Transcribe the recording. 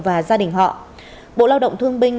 và gia đình họ bộ lao động thương binh